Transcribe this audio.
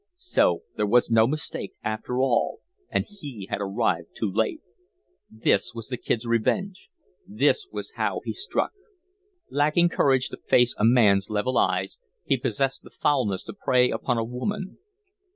So there was no mistake, after all, and he had arrived too late. This was the Kid's revenge. This was how he struck. Lacking courage to face a man's level eyes, he possessed the foulness to prey upon a woman.